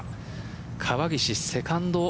川岸、セカンド。